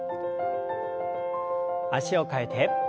脚を替えて。